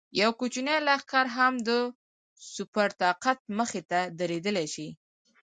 یو کوچنی لښکر هم د سوپر طاقت مخې ته درېدلی شي.